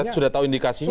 jadi sudah tahu indikasinya